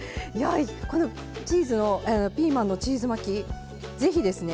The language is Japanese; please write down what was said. このピーマンのチーズ巻き是非ですね。